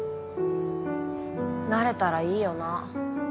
なれたらいいよな。